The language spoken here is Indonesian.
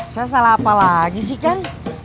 saya salah apa lagi sih kang